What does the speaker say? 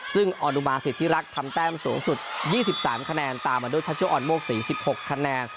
ซึ่งอนุมาสิทธิรักษ์ทำแต้มสูงสุด๒๓คะแนนตามมาด้วยชัชโอนโมกศรี๑๖คะแนน